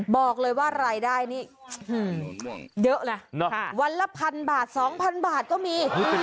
บอกเลยว่ารายได้นี่เยอะนะวันละพันบาท๒๐๐บาทก็มี